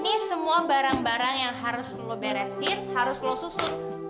nih ini semua barang barang yang harus lo beresin harus lo susun